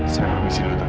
saya pengen sini dulu tante